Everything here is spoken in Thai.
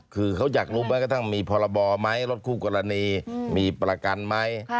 คือเขาอยากรู้แม้กระทั่งมีพรบมั้ยรถคู่กรณีมีประกันมั้ย